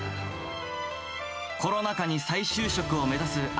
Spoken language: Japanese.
コロナ禍に再就職を目指すア